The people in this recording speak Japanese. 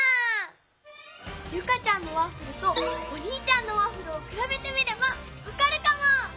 ユカちゃんのワッフルとおにいちゃんのワッフルをくらべてみればわかるかも！